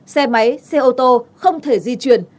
xe máy xe ô tô không thể di chuyển